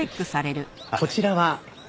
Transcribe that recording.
こちらは？